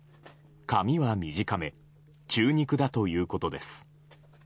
髪は短め中肉だということです。